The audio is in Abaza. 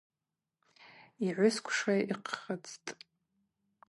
Йгӏвысквша йхъыцӏтӏ.